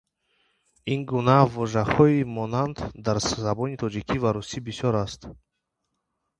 Ин гуна вожаҳои монанд дар забони тоҷикӣ ва русӣ бисёр аст.